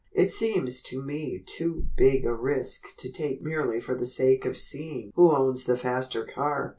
It seems to me too big a risk to take merely for the sake of seeing who owns the faster car."